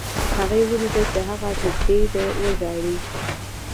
هغې ولیدل چې هغه نږدې دی وژاړي